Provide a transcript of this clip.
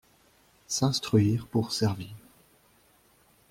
S'instruire pour servir